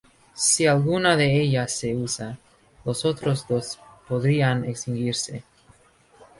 Si alguna de ellas se usa, los otros dos podrían extinguirse.